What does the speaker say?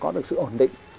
có được sự ổn định